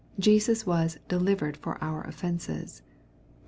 Jesus was " delivered for our offences/' (Eom.